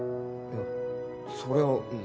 いやそれは。